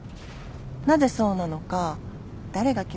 なぜそうなのか誰が決めたのか